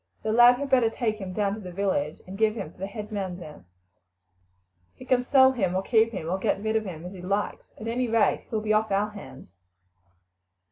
The lad had better take him down to the village, and give him to the head man there. He can sell him, or keep him, or get rid of him as he likes. At any rate he will be off our hands."